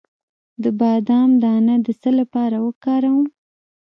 د بادام دانه د څه لپاره وکاروم؟